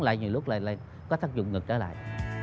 lại nhiều lúc lại có tác dụng ngược trở lại